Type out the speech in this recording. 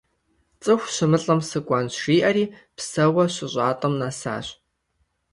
Цӏыху щымылӏэм сыкӏуэнщ жиӏэри, псэууэ щыщӏатӏэм нэсащ.